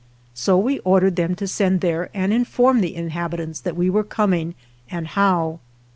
So we ordered them to send there and inform the inhabi tants that we were coming and how.